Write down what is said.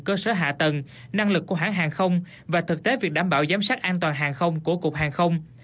cơ sở hạ tầng năng lực của hãng hàng không và thực tế việc đảm bảo giám sát an toàn hàng không của cục hàng không